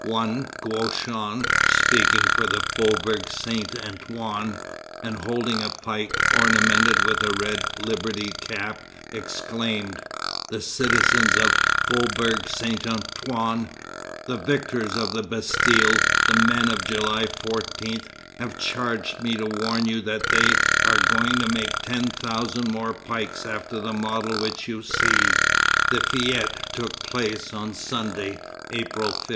One Goachon, speaking for the Faubourg Saint Antoine, and holding a pike ornamented with a red liberty cap, exclaimed: "The citizens of the Faubourg Saint Antoine, the victors of the Bastille, the men of July 14, have charged me to warn you that they are going to make ten thousand more pikes after the model which you see." The fête took place on Sunday, April 15.